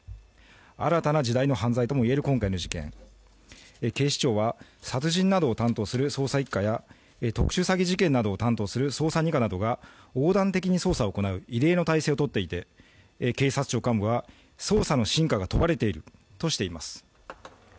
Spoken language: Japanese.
新たな時代の犯罪とも言える今回の事件、警視庁は殺人などを担当する捜査一課や特殊詐欺事件などを担当する捜査二課などが横断的に捜査を行う異例の態勢をとっていて警察庁幹部は捜査の真価が問われているとしています。